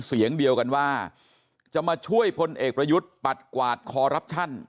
เสียงเดียวกันว่าจะมาช่วยพลเอกประยุทธ์ปัดกวาดคอรับชัน